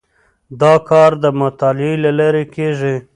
دا کار د مطالعې له لارې کیږي.